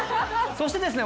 そしてですね